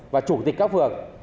và chủ tịch các phường